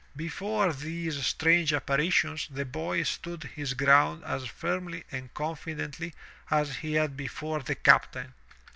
Before these strange apparitions, the boy stood his ground as firmly and confidently as he had before the captain.